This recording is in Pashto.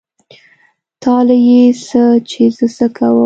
تا له يې څه چې زه څه کوم.